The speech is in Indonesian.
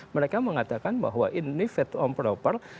mereka mengatakan bahwa ini fit and proper